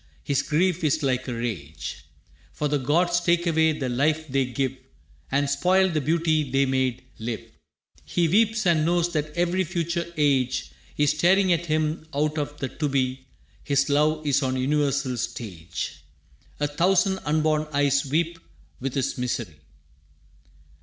His grief is like a rage, For the gods take away the life they give And spoil the beauty they made live. He weeps and knows that every future age Is staring at him out of the to be. His love is on a universal stage. A thousand unborn eyes weep with his misery.